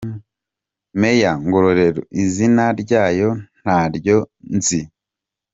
Meya Ngororero: Izina ryayo ntaryo nzi.